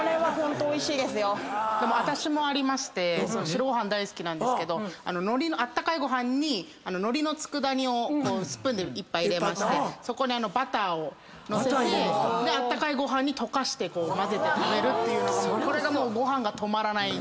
白ご飯大好きなんですけどのりのあったかいご飯にのりの佃煮をスプーンで１杯入れましてそこにバターを載せてあったかいご飯に溶かして混ぜて食べるっていうのがご飯が止まらない。